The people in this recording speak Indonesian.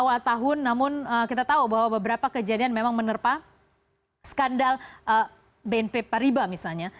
awal tahun namun kita tahu bahwa beberapa kejadian memang menerpa skandal bnp pariba misalnya